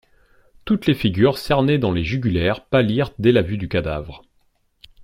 Toutes les figures cernées dans les jugulaires pâlirent dès la vue du cadavre.